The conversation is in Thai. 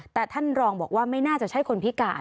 แต่ท่านรองบอกว่าไม่น่าจะใช่คนพิการ